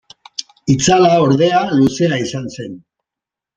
Itzala, ordea, luzea izan zen.